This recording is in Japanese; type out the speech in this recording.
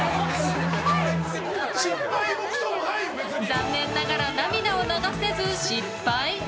残念ながら涙を流せず失敗。